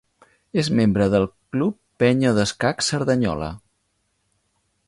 És membre del Club Penya d'Escacs Cerdanyola.